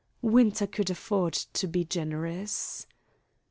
'" Winter could afford to be generous.